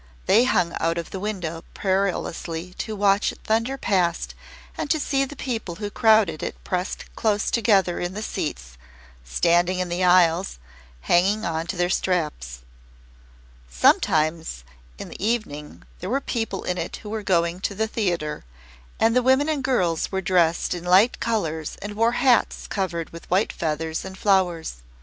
They hung out of the window perilously to watch it thunder past and to see the people who crowded it pressed close together in the seats, standing in the aisles, hanging on to the straps. Sometimes in the evening there were people in it who were going to the theatre, and the women and girls were dressed in light colours and wore hats covered with white feathers and flowers.